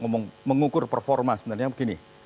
mengukur performa sebenarnya begini